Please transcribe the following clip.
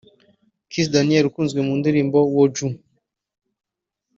Kiss Daniel ukunzwe mu ndirimbo ‘Woju’